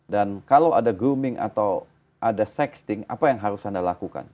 dan kalau ada grooming atau ada sexting apa yang harus anda lakukan